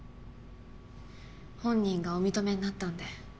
本人がお認めになったんで。